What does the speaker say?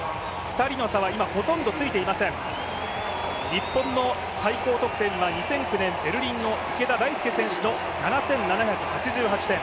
日本の最高得点は２００９年ベルリンの池田選手の７７８８点。